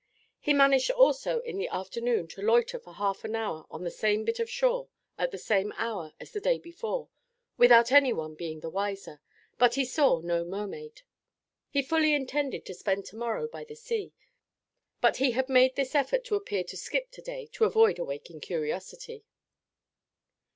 He managed also in the afternoon to loiter for half an hour on the same bit of shore at the same hour as the day before without anyone being the wiser, but he saw no mermaid. He fully intended to spend to morrow by the sea, but he had made this effort to appear to skip to day to avoid awaking curiosity.